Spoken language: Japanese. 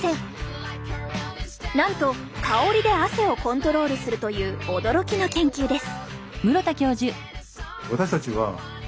なんと香りで汗をコントロールするという驚きの研究です！